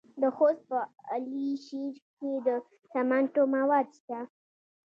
د خوست په علي شیر کې د سمنټو مواد شته.